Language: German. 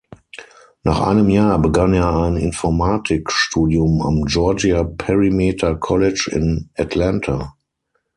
Nach einem Jahr begann er ein Informatikstudium am Georgia Perimeter College in Atlanta.